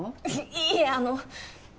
いいえあの。